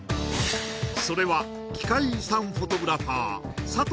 それは奇界遺産フォトグラファー佐藤